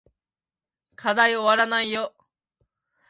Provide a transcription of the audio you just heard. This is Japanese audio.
課題おわらないよ